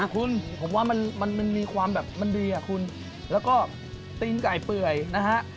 คุณผมว่ามันมีความแบบมันดีอะคุณแล้วก็ตีนไก่เปื่อยนะฮะ